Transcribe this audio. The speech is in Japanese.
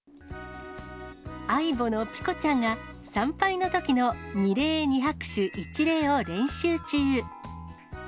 ａｉｂｏのぴこちゃんが参拝のときの二礼二拍手一礼を練習中。